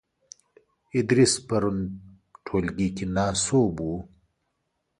ادریس پرون ټولګې کې ناسوب وو .